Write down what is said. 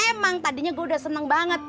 emang tadinya gue udah seneng banget